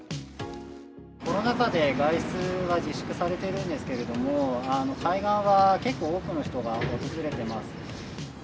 コロナ禍で外出が自粛されているんですけども、海岸は結構多くの人が訪れています。